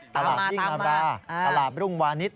ตลาดยิ่งอาบราตลาดรุ่งวานิช